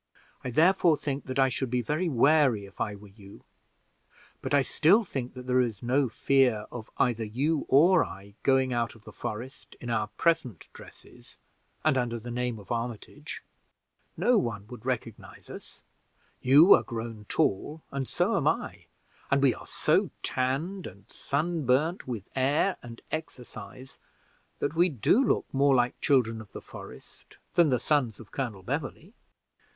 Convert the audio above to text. I therefore think that I should be very wary if I were you; but I still think that there is no fear of either you or I going out of the forest, in our present dresses and under the name of Armitage. No one would recognize us; you are grown tall and so am I, and we are so tanned and sunburned with air and exercise, that we do look more like Children of the Forest than the sons of Colonel Beverley."